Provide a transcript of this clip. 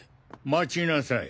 待ちなさい。